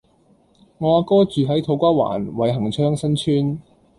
我阿哥住喺土瓜灣偉恆昌新邨